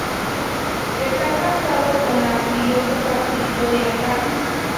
Está casado con la filósofa Victoria Camps.